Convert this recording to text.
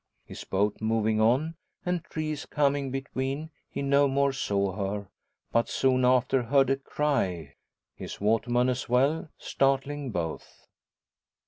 His boat moving on, and trees coming between he no more saw her; but soon after heard a cry his waterman as well startling both.